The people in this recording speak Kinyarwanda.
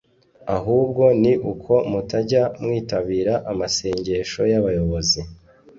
Ahubwo ni uko mutajya mwitabira amasengesho y’abayobozi